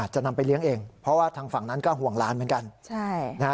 จะนำไปเลี้ยงเองเพราะว่าทางฝั่งนั้นก็ห่วงหลานเหมือนกัน